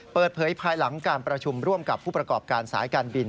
เปิดเผยภายหลังการประชุมร่วมกับผู้ประกอบการสายการบิน